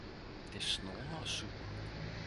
det snurrer og surrer!